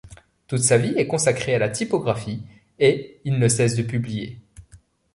Toute sa vie est consacrée à la typographie et il ne cesse de publier.